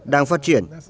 đang phát triển